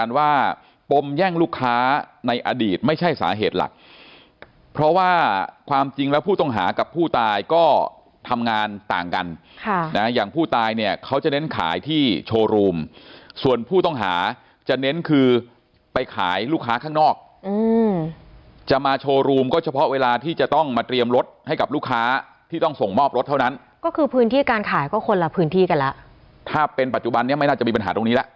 ความจริงแล้วผู้ต้องหากับผู้ตายก็ทำงานต่างกันค่ะนะอย่างผู้ตายเนี่ยเขาจะเน้นขายที่โชว์รูมส่วนผู้ต้องหาจะเน้นคือไปขายลูกค้าข้างนอกจะมาโชว์รูมก็เฉพาะเวลาที่จะต้องมาเตรียมรถให้กับลูกค้าที่ต้องส่งมอบรถเท่านั้นก็คือพื้นที่การขายก็คนละพื้นที่กันละถ้าเป็นปัจจุบันนี้ไม่น่าจะมีปั